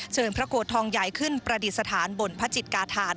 พระโกรธทองใหญ่ขึ้นประดิษฐานบนพระจิตกาธาน